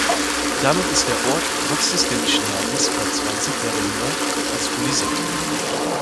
Damit ist der Ort trotz des dänischen Namens knapp zwanzig Jahre jünger als Qullissat.